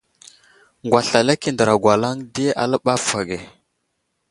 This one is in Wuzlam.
Ŋgwaslalak i andəra gwalaŋ di aləɓay avohw age.